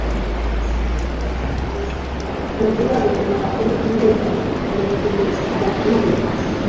sinshobora gukina tennis neza. (donkirkby